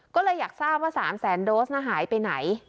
ก็เลยอยากทราบว่า๓แสนโดสหายไปไหน